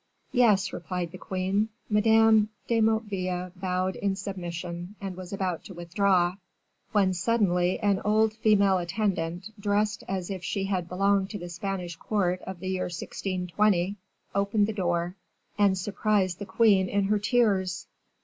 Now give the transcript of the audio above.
"Yes," replied the queen. Madame de Motteville bowed in submission, and was about to withdraw, when suddenly an old female attendant, dressed as if she had belonged to the Spanish court of the year 1620, opened the door, and surprised the queen in her tears.